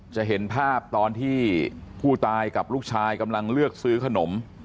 จะเห็นภาพตอนที่ผู้ตายกับลูกชายกำลังเลือกซื้อขนม